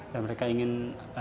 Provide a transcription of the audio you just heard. dan mereka ingin pasca